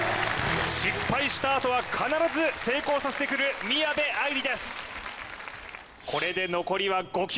失敗したあとは必ず成功させてくる宮部藍梨です